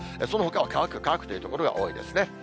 そのほかは乾く、乾くという所が多いですね。